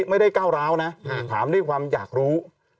ไม่ได้ก้าวราวนะถามด้วยความอยากรู้